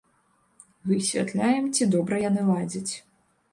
Высвятляем, ці добра яны ладзяць.